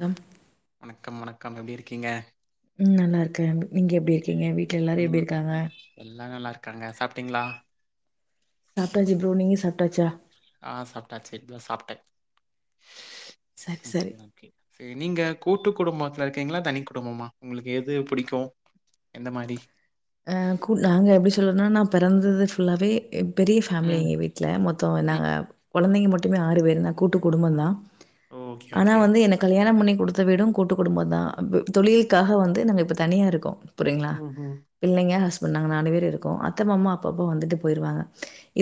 நம் வணக்கம் வணக்கம் எப்டி இருக்கீங்க ம் நல்லா இருக்கே நீங்க எப்டி ஓகே இருக்கீங்க வீட்ல எல்லாரு ம் எப்டி இருக்காங்க எல்லா நல்லா இருக்காங்க சாப்ட்டீங்ளா சாப்டாச்சு ப்ரோ நீங்க சாப்டாச்சா ஆ சாப்டாச்சு இப்த சாப்ட்டே சரி சரி [unintelligible] கே சேரி நீங்க கூட்டு குடும்போத்ல இருக்கீங்ளா தனி குடும்பமா உங்ளுக்கு எது பிடிக்கூ எந்த மாரி அ கூ நாங்க எப்டி சொல்லறனா நா பெறந்தது ஃபுல்லாவே பெரிய ஃபேம்லி ம் எங்க வீட்டு ட்ல மொத்தோ ம் நாங்க கொழந்தைங்க மட்டுமே ஆறு பேரு நா கூட்டு குடும்பந்தா ஓகே ஆனா ஓகே. வந்து எனக் கலியாணம் பண்ணி குடுத்த வீடும் கூட்டு குடும்போந்தா தொழில்க்காக வந்து நாங்க இப்ப தனியா இருக்கோ புரியுங்ளா ம்ஹ்ம் பிள்ளைங்க ஹஸ்பண்ட் நாங்க நாலு பேரு இருக்கோ அத்த மாமா அப்பப்ப வந்துட்டு போயிருவாங்க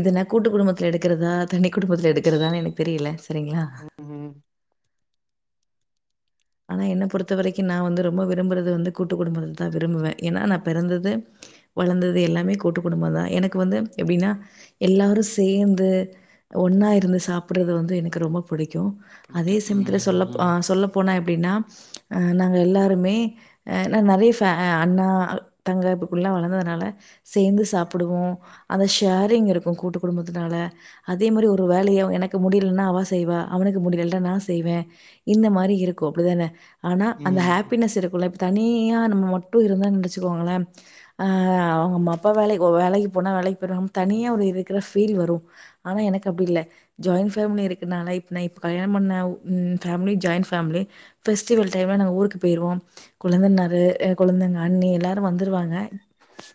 இதுன்ன கூட்டு குடும்பத்துல எடுக்கிறதா தனி குடும்பத்துல எடுக்கிறதான்னு எனக்கு தெரியில சரிங்ளா ம் ஹும் ஆனா என்ன பொறுத்த வரைக்கு நா வந்து ரொம்ப விரும்புறது வந்து கூட்டு குடும்பத்த தா விரும்புவே ஏன்னா நா பெறந்தது வளந்தது எல்லாமே கூட்டு குடும்பந்தா எனக்கு வந்து எப்டின்னா எல்லாரு சேந்து ஒன்னா இருந்து சாப்புட்றது வந்து எனக்கு ரொம்ப புடிக்கூ அதே புடிக்கும். ம் சமயத்துல சொல்லப் ம் ஆ சொல்லப் போனா எப்டின்னா அ நாங்க எல்லாருமே அ நா நறைய ஃபே அண்ணா தங்க இப்பகுள்ளல்லா வளந்ததுனால சேந்து சாப்புடுவோ அந்த ஷேரிங் இருக்கூ கூட்டு குடும்பத்துனால அதே மாரி ஒரு வேலய எனக்கு முடியிலன்னா அவா செய்வா அவனுக்கு முடியிலலா நா செய்வே இந்த மாரி இருக்கூ அப்டிதான ஆனா அந்த ம் ம் ஹேப்பினஸ் இருக்கூல்ல தனியா நம்ம மட்டு இருந்தன் வச்சுக்கோங்கள அ அம்மா அப்பா வேலைக்கோ வேலைக்கு போனா வேலைக்கு போயிடுவாங்க தனியா ஒரு இருக்கிற ஃபீல் வரு ஆனா எனக்கு அப்டி இல்ல ஜாயின் ஃபேம்லி இருக்குனால இப் நா இப் கல்யாணம் பண்ண ம் ஃபேமாலி ஜாயி்ன் ஃபேம்லி ஃபெஸ்டிவல் டைம்ல நாங்க ஊருக்கு பேயிருவோ கொழுந்தன்னாரு அ கொழந்தங்க அண்ணி எல்லாரு வந்துருவாங்க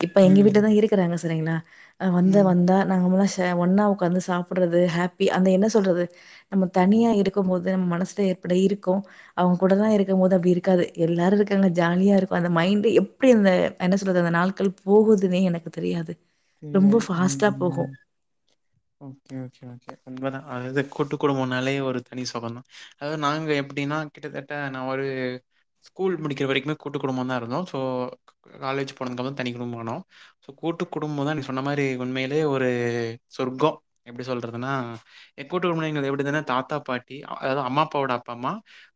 இப்ப எங்க ம் வீட்டுலதா இருக்குறாங்க சரிங்ளா ஆ வந்து ம் வந்தா நாங்க முடின்ஞ் ச ஒன்னா உக்காந்து சாப்புட்றது ஹேப்பி அந்த என்ன சொல்றது நம்ம தனியா இருக்கும் போது நம் மனசுல ஏற்பட இருக்கோ அவங் கூட தா இருக்கம் போது அப்டி இருக்காது எல்லாரு இருக்காங்க ஜாலியா இருப்பே அந்த மைண்டே எப்டி அந்த என்ன சொல்றது அந்த நாள்கள் போகுதுன்னே எனக்கு தெரியாது ரொம்ப தெரியாது ம் ஃபாஸ்ட்டா ம் போகும். ம் ஓகே ஓகே ஓகே உண்மதா அதாது கூட்டு குடும்போனாலே ஒரு தனி சொகந்தா அதாது நாங்க எப்டின்னா கிட்டத்தட்ட நா ஒரு கூல் முடிக்கிற வரைக்குமே கூட்டு குடும்போதா இருந்தோ ஸோ காலேஜ் போனதுகப்போ தா தனி குடும்பமானோ சோ கூட்டு குடும்போ தா நீ சொன்ன மாரி உண்மையிலே ஒரு சொர்க்கோ எப்டி சொல்றதுன்னா ஏ கூட்டுவுற முன்னாயின்னது எப்டி இருந்ததுனா தாத்தா பாட்டி அதாவ்து அம்மா அப்பாவோட அப்பா அம்மா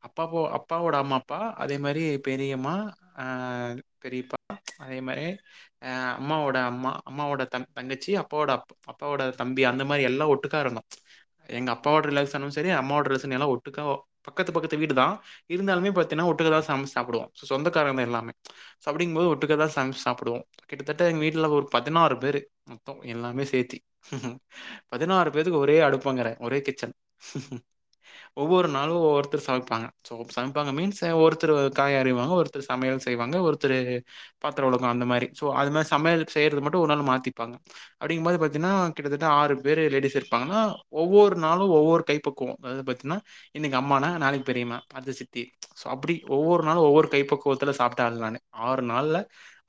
அப்பா போ அப்பாவோட அம்மா அப்பா அதே மாரி பெரியம்மா ஆ பெரியப்பா அதே மாரி ஆ அம்மாவோட அம் அம்மா அம்மாவோட தன் தங்கச்சி அப்பாவோட அப் அப்பாவோட தம்பி அந்த மாரி எல்லா ஒட்டுக்காருந்தோ எங்க அப்பாவோட ரிலேசனு செரி அம்மோட ரிலேசன் எல்லா ஒட்டுக்கா பக்கத்து பக்கத்து வீடுதா இருந்தாலுமே பாத்தீன்னா ஒட்டுக்கா தான் சமசு சாப்டுவோ சோ சொந்தக்காரங் தா எல்லாமே சப்டிங்கும் போது ஒட்டுக்கா தா சம்ச்சி சாப்டுவோ கிட்டத்தட்ட எங்க வீட்ல ஒரு பதினாறு பேரு மொத்தோ எல்லாமே சேத்தி பதினாறு பேதுக்கு ஒரே அடுப்பாங்கற ஒரே கிச்சன் ஒவ்வொரு நாளு ஒவ்வொருத்தர் சமப்பாங்க சோ சமைப்பாங்க மீன்ஸ் ஒருத்தரு காய் அரியிவாங்க ஒருத்தரு சமையல் செய்வாங்க ஒருத்தரு பாத்துரோ ஒளக்ணு அந்த மாரி சோ அது மாரி சமையலுக் செய்றதுக்கு மட்டு ஒரு நாள் மாத்திப்பாங்க அடிக்கும்போது பாத்தின்னா கிட்டத்தட்ட ஆறு பேரு லேடீஸ் இருப்பாங்களா ஒவ்வோர் நாளு ஒவ்வோர் கைப்பக்குவோ அதாது பாத்தீன்னா இன்னைக்கு அம்மான்னா நாளைக்கு பெரியம்மா அடுத்த சித்தி சோ அப்டி ஒவ்வோர் நாளு ஒவ்வொரு கைப்பக்குவத்துல சாப்ட்ட ஆளு நானு ஆறு நாள்ல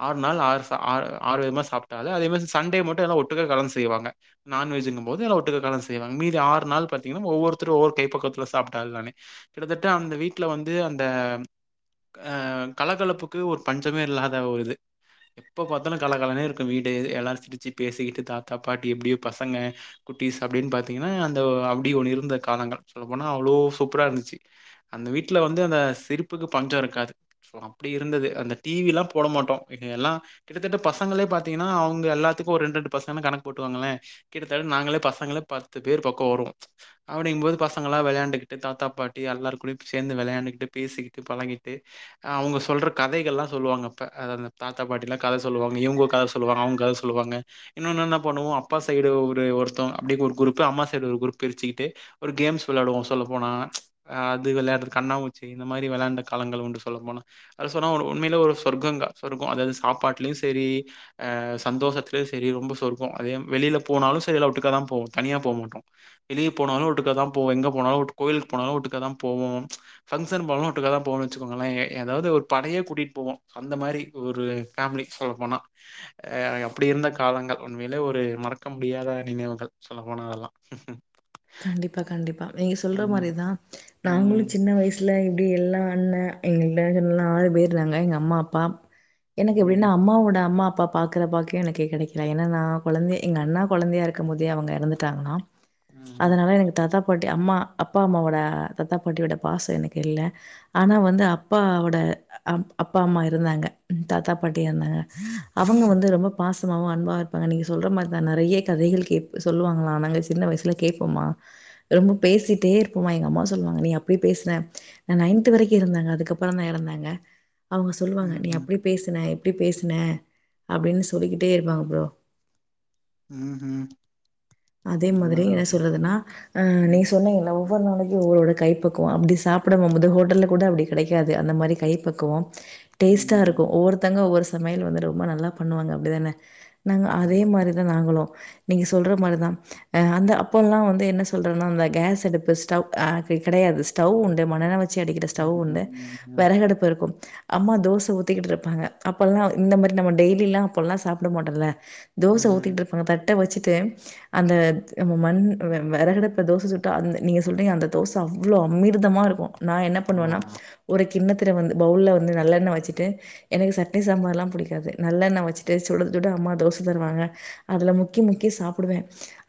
ஆறு நாள் ஆறு சா ஆற் ஆறு விதமா சாப்ட்ட ஆளு அதே மாரி சண்டே மட்டு எல்லா ஒட்டுக்க கலந்து செய்வாங்க நான்வெஜ்ஜின்னும் போது எல்லா ஒட்டுக்கு கலந்து செய்வாங்க மீதி ஆறு நாள் பாத்தீங்கன்னா ஒவ்வொருத்தரு ஒவ்வொரு கைப்பக்குவத்துல சாப்ட்ட ஆளு நானு கிட்டத்தட்ட அந்த வீட்ல வந்து அந்த அ கலகலப்புக்கு ஒரு பஞ்சமே இல்லாத ஒரு இது எப்போ பாத் தாலு கலகலனே இருக்கு வீடு எல்லாரு சிரிச்சி பேசிக்கிட்டு தாத்தா பாட்டி எப்டியோ பசங்க குட்டீஸ் அப்டின்னு பாத்தீங்கன்னா அந்த அப்டி ஒன்னு இருந்த காலங்கள் சொல்ல போனா அவ்ளோ சூப்பரா இருந்துச்சி அந்த வீட்ல வந்து அந்த சிரிப்புக்கு பஞ்சொ இருக்காது சோ அப்டி இருந்தது அந்த டி வில்லா போட மாட்டோ எல்லா கிட்டத்தட்ட பசங்களே பாத்தீங்கன்னா அவுங்க எல்லாத்துக்கு ஒரு ரெண்ட்ரெண்டு பசங்கன்னு கணக்கு போட்டுக்கோங்களே கிட்டத்தட்ட நாங்களே பசங்களே பத்து பேர் பக்க வருவோ அப்டிங்கம்போது பசங்கள்லா வெளையாண்டுக்கிட்டு தாத்தா பாட்டி எல்லார் கூடயு சேந்து வெளையாண்டுக்கிட்டு பேசிக்கிட்டு பழகிட்டு அவுங்க சொல்ற கதைகள்லா சொல்லுவாங்க அப்ப அதந்த தாத்தா பாட்டிலா கத சொல்லுவாங்க இவங்க ஒரு கத சொல்லுவாங்க அவங்க கத சொல்லுவாங்க இன்னொன்னு என்ன பண்ணுவோ அப்பா சைடு ஒரு ஒருத்த அப்டிக்கொரு குரூப்பு அம்மா சைடு ஒரு குரூப் பிரிச்சிக்கிட்டு ஒரு கேம்ஸ் வெளாடுவோ சொல்லப் போனா அ அது வெளையாட்றது கண்ணாமூச்சி இந்த மாரி வெளாண்ட காலங்கள் உண்டு சொல்லப் போனா அத சொன்னா ஒரு உண்மைலே ஒரு சொர்க்கங்க சொர்க்கொ அதாது சாப்பாட்லயு செரி அ சந்தோஷத்துலயு செரி ரொம்ப சொர்க்கோ அதே வெளில போனாலு செரி எல்லா ஒட்டுக்காதா போவோ தனியா போமாட்டோ வெளிய போனாலு ஒட்டுக்கா தா போவோ எங்க போனாலு ஒட் கோயிலுக்கு போனாலு ஒட்டுக்காதா போவோ ஃபங்ஷன் போனாலு ஒட்டுக்காதா போவோன்னு வச்சுக்கோங்களே ஏதாவுது ஒரு படையே கூட்டிட் போவோ அந்த மாரி ஒரு ஃபேமிலி சொல்லப் போனா அ அ அப்டி இருந்த காலங்கள் உண்மையிலே ஒரு மறக்க முடியாத நினைவுகள் சொல்லப் போனா அதெல்லா கண்டிப்பா கண்டிப்பா நீங்க சொல்ற ம். மாரிதா நாங்களு ம். சின்ன வயசுல இப்டி எல்லா அண்ண எங்க ல எல்லா நாலு பேர்ருக்காங்க எங்க அம்மா அப்பா எனக்கு எப்டின்னா ம். அம்மாவோட அம்மா அப்பா பாக்குற பாக்கியொ எனக்கு கெடைக்குல ஏன்னா நா கொழந்தை எங்க அண்ணா கொழந்தையா இருக்கம்போதே அவங்க எறந்துட்டாங்கலா ம். அதனால எனக்கு தாத்தா பாட்டி அம்மா அப்பா அம்மாவோட தாத்தா பாட்டியோட பாசொ எனக்கு இல்ல ஆனா வந்து அப்பாவோட அப் அப்பா அம்மா இருந்தாங்க தாத்தா பாட்டியு இருந்தாங்க அவங்க வந்து ரொம்ப பாசமாவு அன்பாவு பாங்க நீங்க சொல்ற மாரிதா நெறைய கதைகள் கேப் சொல்லுவாங்களா நாங்க சின்ன வயசுல கேப்போமா ரொம்ப பேசிட்டே இருப்போமா எங்க அம்மா சொல்லுவாங்க நீ அப்டி பேசுன நா நைன்த்து வரைக்கு இருந்தாங்க அதுக்கப்புறோ தா எறந்தாங்க அவுங்க சொல்லுவாங்க நீ ம்ஹ்ம். அப்டி பேசுன இப்டி பேசுன அப்டின்னு சொல்லிக்கிட்டே இருப்பாங்க ப்ரோ ம் ஹூம் இருந்தாலு துரதுனா ஆ நீங்க சொன்னீங்கள்ல ஒவ் வோர் நாளைக்கி ஒவ்வொரோட கை பக்குவ அப்டி சாப்டபோம்போது ஹோட்டல்ல கூட அப்டி கெடைக்காது அந்த மாரி கை பக்குவோ டேஸ்ட்டா இருக்கு ம். ஒவ்வொருத்தங்க ஒவ்வொரு சமையல் வந்து ரொம்ப நல்லா பண்ணுவாங்க அப்டிதான நாங்க அதே ஆமா. மாரி தா நாங்களோ நீங்க சொல்ற மாரிதா அ அந்த அப் போல்லா வந்து என்ன சொல்றன்னா அந்த கேஸ் அடுப்பு ஸ்டவ் அது கெடையாது ஸ்டவ்வுண்டு மண்ணெண்ண வெ சி அடிக்கிற ஸ்டவ் உண்டு ம். ம். வெறகடுப்பு இருக்கும் அம்மா தோச ஊத்திக்கிட்ருப்பாங்க அப்பல்லா இந்த மாரி நம்ம டெய்லில்லா அப்பல்லா சாப்ட மாட்டோல்ல தோச ம். ஊத்திட்ருப்பாங்க தட்ட வச்சிட்டு அந்த மண் வெறகடுப்ல தோச சுட்டா அந் நீங்க சொல்றீங்க அந்த தோச அவ்ளோ அமிர்தமா இருக்கு நா என்னப் ஆமா, பண்ணுவன்னா ஆமா. ஒரு கிண்ணத்துல வந்து பவுல்ல வந்து நல்லெண்ண வச்சிட்டு எனக்கு சட்னி சாம்பார்லா புடிக்காது நல்லெண்ண வச்சிட்டு சுட சுட அம்மா தோச தருவாங்க அதுல முக்கி முக்கி சாப்டுவே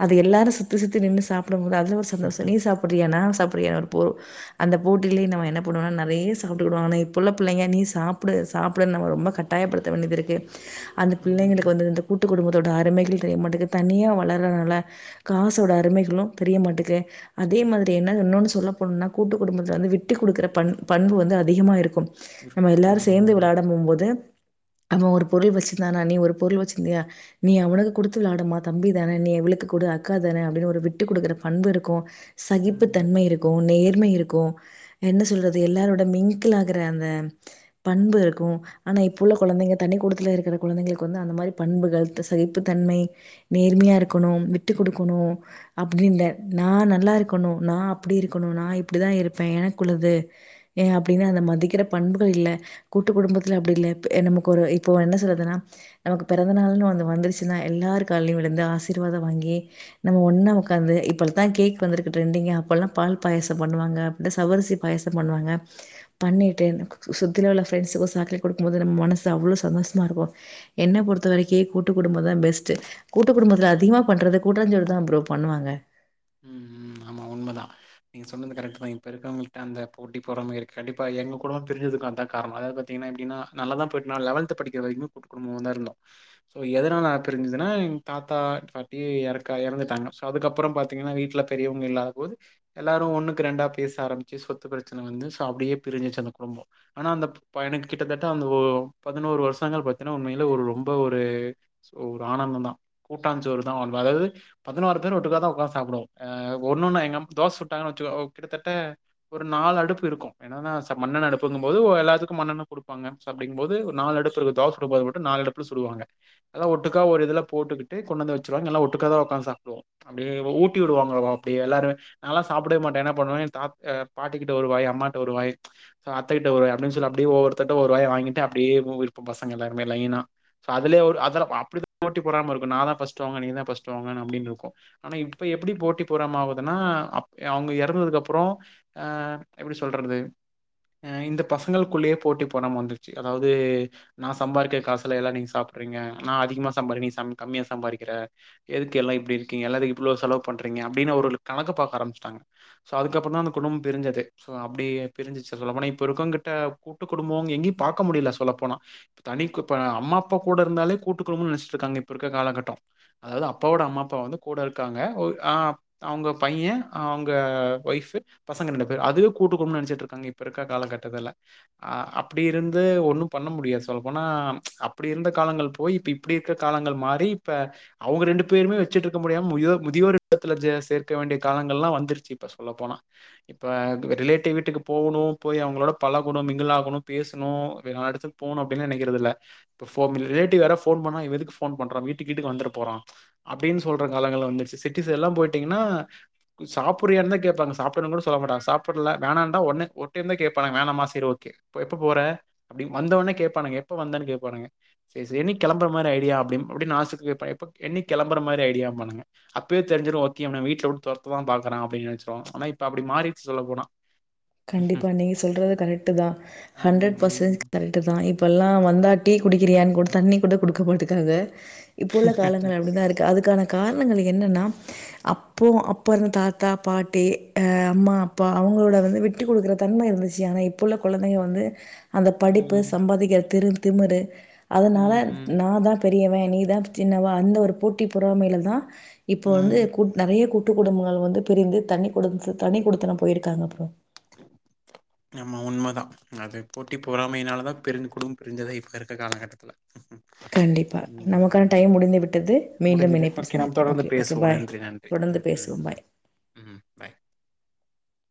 அது எல்லாரு சுத்தி சுத்தி நின்னு சாப்ட முடா அதுவு சந்தோஷோ நீ சாப் றியா நா சாப்றியா ஒரு போ அந்த போட்டிலையு நம்ம என்ன பண்ணுவ நெறைய சாப்ட்டுகிடுவ ஆனா இப்ப உள்ள பிள்ளைங்க நீ சாப்டு சாப்டு நம்மள ரொம்ப கட் ட்டாயப் படுத்த வேண்டிது இருக்கு அந்த ம். பிள்ளைங்களுக்கு வந்து இந்த கூட்டு குடும்பத்தோட அருமைகள் தெரிய மாட்டேக்குது தனியா வளர்றனால காசோட அருமைகளு தெரிய மாட்டுக்கு அதே மாதிரி என்ன இன்னொன்னு சொல்ல போனுனா கூட்டு குடும்பத்துல வந்து விட்டு குடுக்குற பண் பண்பு வந்து அதிகமா இருக்கும் நம்ம இருக்கும். ம். எல்லாரு சேந்து ம். வெளாட போம் போது அவ ஒரு பொருள் வச்சுந்தானா நீ ஒரு பொருள் வச்சுந்தியா நீ அவனுக்கு குடுத்து வெளாடுமா தம்பி தானே நீ இவளுக்கு குடு அ கா தானே அப்டின்னு ஒரு விட்டு குடுக்கற பண்பு இருக்கு சகிப்பு ம். தன்மை இரு க்கு நேர்மை இருக்கு என்ன சொல்றது எல்லாரோட மிங்கிள் ஆகுற அந்த பண்பு இருக்கு ஆனா இப்ப உள்ள குழந்தைங்க தனிக் கூடத்துல இருக்கற குழந்தைங்களுக்கு வந்து அந்த மாறி பண்புகள் சகிப்புத் தன்மை நேர்மையா இருக்கணு விட்டு குடுக்கணு அப்டின்டே நா நல்லா இருக்கணு நா அப்டி இருக்கணு நா இப்டி தா இருப்பே எனக்குள்ளது ஏ அப்டின்னா அத மதிக்கற பண்புகள் இல்ல கூட்டு குடும்பத்துல அப்டி இல்ல நமக்கு ஒரு இப்போ என்ன சொல்றதுனா நமக்கு பிறந்த நாள்னு ஒன்னு வந்துச்சுன்னா எல்லாரு கால்லையு விழுந்து ஆசிர்வாத வாங்கி நம்ம ஒன்னா உக்காந்து இப்ப தா கேக் வந்துருக்கு ட்ரெண்டிங்கா அப்பல்லா பால் பாயச பண்ணுவாங்க இந்த ஜவ்வரிசி பாயச பண்ணுவாங்க பண்ணிட்டு நமக்கு சு சுத்தி ஃப்ரெண்ட்ஸ்கு சாக்லேட் குடுக்கு போது நம்ம மனசு அவ்ளோ சந்தோஷமா இருக்கு என்ன பொருத்த வரைக்கு கூட்டு குடும்ப தா பெஸ்ட் கூட்டு குடும்பத்தில அதிகமா பண்றதுக் கூட்டாஞ்சோறு தா ப்ரோ பண்ணுவாங்க ம் ம் ஆமா உண்ம தா நீங்க சொன்னது கரெக்ட்டு தா இப்ப இருக்கவங்கள்ட்ட அந்த போட்டி பொறாம இருக்கு கண்டிப்பா எங்க குடும்போ பிரிஞ்சதுக்கு அதா காரணோ அதாது பா த்தீங்க அப்டினா நல்லா தா போய்ட்டு நா லெவல் படிக்க வரைக்கு கூட்டு குடும்பமா தா இருந்தோ ஸோ எதனால பிரிஞ்சுதுனா எங்க தாத்தா பாட்டி எறக்க எறந்துட்டாங்க ஸோ அதுக்கப்புறோ பாத் தீங்கன்னா வீட்ல பெரியவங்க இல்லாத போது எல்லாரு ஒண்ணுக்கு ரெண்டா பேச ஆரம்பிச்சு சொத்து பிரச்சன வந்து ஸோ அப்டியே பிரிஞ்சுருச்சு அந்த குடும்போ ஆனா அந்த பையனுக்கு கிட்டத்தட்ட அந்த ஒ பதினோரு வருஷங்கள் பத்தீன்னா உண்மைல ஒரு ரொம்ப ஒரு ஒரு ஆனந்தந்தா கூட்டான் சோறு தா அதாது பதினாறு பேர் ஒட்டுக்க தா ஒக்காந்து சா சாப்டுவோ ஆ ஒன்னொன்னு எங்க அம் தோச சுட்டாங்கன்னு வெச்சுக்கோ கிட்டத்தட்ட ஒரு நாலு அடுப்பு இருக்கு என்னன்னா மண்ணெ அடுப்புங்கு போது எல்லாத்துக்கு மண்ணெ குடுப்பாங்க சோ அப்டிங்கு போது ஒரு நாலு அடுப்பு இருக்கு தோச சுடும் போது மட்டு நால் அடுப் புல சுடுவாங்க எல்லா ஒட்டுக்கா ஒரு இதுல போட்டுக்கிட்டு கொண்டு வந்து வச்சருவாங்க எல்லா ஒட்டுக்கா தா ஒக்காந்து சாப்டுவோ அப்டியே ஊட் ஊட்டி விடுவாங்க அப்டியே எல்லாரு நாலா சாப்டவே மாட்டே என்ன பண்ணுவ என் தா அ பாட்டிக்கிட்ட ஒரு வாய் அம்மாட்ட ஒரு வாய் அத்தகிட்ட ஒரு வாய் அப்டினு சொல்லு அப்டியே ஒவவொருத்தட்ட ஒரு வாய் வாங்கிட்டு அப்டியே மூவிருப்போ பசங்க எல்லாருமே லைன்னா ஸோ அதுலயு ஒரு அதுல பா அப்டி போட்டி பொறாம இருக்கு நா தா ஃபர்ஸ்ட்டு வாங்குவே நீ தா ஃபர்ஸ்ட்டு வாங்குவ அப்டின்ருக்கு ஆனா இப் இப்ப எப்டி போட்டி பொறாம ஆவுதுன்னா அப் அவுங்க எறந்ததுக்கப்றோ ஆ எப்டி சொல்றது ஆ இந்த பசங்களுக்குள்ளயே போட்டி பொறாம வந்துருச்சு அதாவது நா சம்பாரிக்கற காசுல எல்லா நீங்க சாப்ட்றீங்க நா அதிகமா சம்பாரி நீ சம் கம்மியா சம்பாரிக்கிற எதுக்கு எல்லா இப்டி இருக்கீங்க எல்லாரு இவ்ளோ செலவு பண்றீங்க அப்டின்னு அவருகளுக் கணக்கு பாக்க ஆரம்பிச்சுட்டாங்க ஸோ அதுக்கப்பறந் தா அந்த குடும்போ பிருஞ்சது ஸோ அப்டி பிரிஞ்சிச்சு சொல்ல போனா இப்போ இருக்கோங்கிட்ட கூட்டு குடும்பம் எங்கயு பாக்க முடில சொல்ல போனா தனிக்குப்ப அம்மா அப்பா கூட இருந்தாலே கூட்டு குடும்போன்னு நெனச்சுட்டு இருக்காங்க இப்ப இருக்க கால கட்டோ அதாவது அப்பாவோட அம்மா அப்பா வந்து கூட இருக்காங்க ஒ ஆ அவுங்க பையே அவுங்க ஒய்ஃபு பசங்க ரெண்டு பேரு அதுவே கூட்டுக் குடும்பம்னு நெனைச்சுட்டு இருக்காங்க இப்ப இருக்க காலகட்டத்துல அ அப்டி இருந்து ஒண்ணு பண்ண முடியாது சொல்லப் போனா அப்பிடி இருந்த காலங்கள் போய் இப்ப இப் இப்பிடி இருக்க காலங்கள் மாரி இப்ப அவுங்க ரெண்டு பேருமே வச்சுட்டு இருக்க முடியாம முறியோ முதியோர் இல்லத்துல ஜெ சேர்க்க வேண்டிய காலங்கள்லா வந்துருச்சு இப்ப சொல்லப் போனா இப்ப ரிலேட்டிவ் வீட்டுக்கு போகணு போய் அவுங்களோட பழகணு மிங்கிளாகணு பேசணு வே நாலு எடத்துக் போணு அப்பிடின் நெனைக்கிறது இல்ல இப்ப ஃபோம் ரிலேட்டிவ் யாராவது ஃபோன் பண்ணா இவெ எதுக்கு ஃபோன் பண்றா வீட்டுக்கு கீட்டுக்கு வந்துறப் போறா அப்டின் சொல் ற காலங்கள் வந்துருச்சு சிட்டிஸ் எல்லா போயிட்டீங்கன்னா சாப்பிற்றியான்னு தா கேப்பாங்க சாப்புடுன்னு கூட சொல்ல மாட்டாங்க சாப்புல்ல வேணான்டா ஒட்னே ஒர் டைம் தா கேப்பாங்க வேணாமா செரி ஓகே எப்பப் போறே அப்பிடி வந்தோனே கேப்பானுங்க எப்ப வந்தன் கேப்பானுங்க செரி செரி என்னக்கி கெளம்புற மாரி ஐடியா அப்டிம் அப்டின் நாசூக்கா கேப்பா எப்ப என்னைக் கெளம்பற மாரி ஐடியாம்பாணுங்க அப்பயே தெரிஞ்சுரு ஓகே இவன வீட்ல வுட் தொரத்த தா பாக்குறா அப்டின் நெனச்சுருவாங்க ஆனா இப்ப அப்பிடி மாறிறுச்சு சொல்லப் போனா கண்டிப்பா நீங்க சொல்றது கரெக்ட்டு தா ஹண்ட்ரட் பர்சன்ட் ம் கரெக்ட் டு தா இப்பல்லா வந்தா டீ குடிக்கிறியான் கூட தண்ணி கூட குடுக்க மாட்டுக்கிறாங்க இப்ப உள்ள காலங்கள் அப்டி தா இருக்கு அதுக்கான காரணங்கள் என்னன்னா அப்போ அப்ப இருந்த தாத்தா பாட்டி அ அம்மா அப்பா அவுங்களோட வந்து வி விட்டு குடுக்கற தன்மை இருந்துச்சு ஆனா இப்ப உள்ள கொழந்தைக வந்து அந்த படிப்பு ம் சம்பாதிக்கிற திரு திமுறு அதுனால ம் ம் நா தா பெரியவே நீதா சின்னவ அந்த ஒரு போட்டி பொறாமைல தா இப்ப வந்து ம் கூட் நெறைய கூட்டு குடும்பங்கள் வந்து பிரிந்து தண்ணி கொட தனிக் குடுத்தனம் போயிருக்காங்க அப்பறோ ஆமா உண்மதா அது போட்டி பொறாமைனால தா பிருஞ்சு குடும் பிருஞ்சதே இப்ப இருக்க காலகட்டத்துல உம் கண்டிப்பா நமக்கான டைம் முடிந்து விட்டது மீண்டும் முடிஞ்சது இணைப்பில் ஓகே நம்ம சந்திப்போம் தொடர்ந்து ஓகே ஓகே பேசுவோம் பாய் நன்றி நன்றி தொடர்ந்து ம் ம் பேசுவோம் பாய் ம் தங்